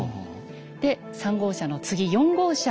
で３号車の次４号車。